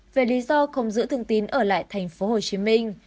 về lý do không giữ thường tín ở lại thành phố hồ chí minh